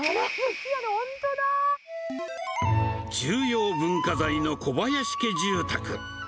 重要文化財の小林家住宅。